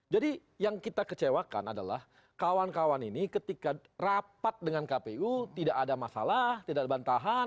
jadi yang kita kecewakan adalah kawan kawan ini ketika rapat dengan kpu tidak ada masalah tidak ada bantahan